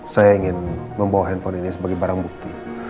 saya ingin membawa handphone ini sebagai barang bukti